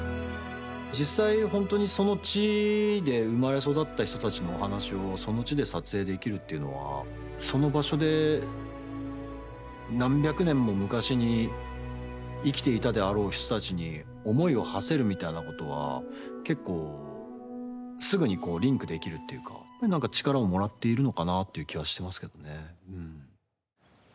実際、本当に、その地で生まれ育った人たちのお話をその地で撮影できるっていうのはその場所で何百年も昔に生きていたであろう人たちに思いをはせるみたいなことは結構すぐにリンクできるっていうか力をもらっているのかなという気はしてますけどね。